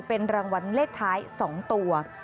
เป็นรางวัลเลขท้าย๒ตัว